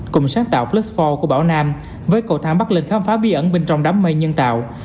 cùng sáng tạo plus four của bảo nam với cầu thang bắt lên khám phá bí ẩn bên trong đám mây nhân tạo